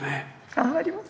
頑張ります。